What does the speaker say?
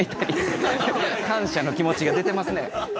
感謝の気持ちが出てますね。